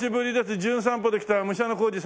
『じゅん散歩』で来た武者小路実篤です。